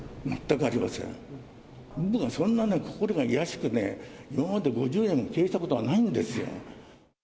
僕はね、そんなに心が卑しく、今まで５０年も経営したことがないんですよ。